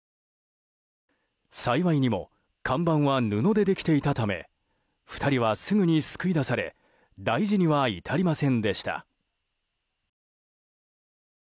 幸いにも看板は布でできていたため２人はすぐに救い出され大事には至りませんでした。